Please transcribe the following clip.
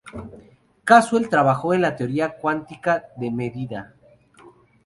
Caswell trabajó en la teoría cuántica de medida.